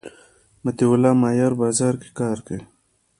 مطیع الله مایار بازار کی کار کا